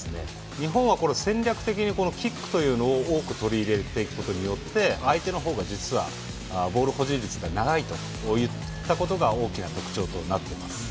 日本は戦略的にキックというのを多く取り入れていくことによって相手の方が実はボール保持率が高いといったことが大きな特徴となっています。